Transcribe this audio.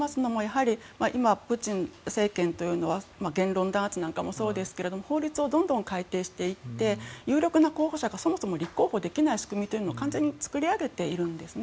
今、プーチン政権は言論弾圧もそうですが法律をどんどん改訂していって有力な候補者がそもそも立候補できない仕組みを完全に作り上げているんですね。